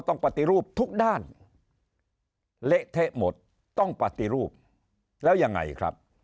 ปฏิรูปทุกด้านเละเทะหมดต้องปฏิรูปแล้วยังไงครับ